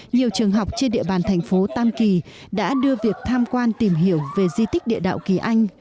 nhiều trường học trên địa bàn thành phố tam kỳ đã đưa việc tham quan tìm hiểu về di tích địa đạo kỳ anh